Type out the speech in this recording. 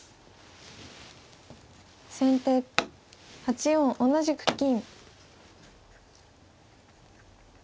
先手８四同じく金。